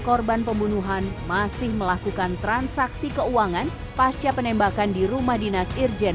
korban pembunuhan masih melakukan transaksi keuangan pasca penembakan di rumah dinas irjen